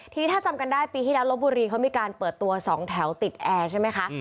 ทีนี้ถ้าจำกันได้ปีที่แล้วลบบุรีเขามีการเปิดตัว๒แถวติดแอร์ใช่ไหมคะ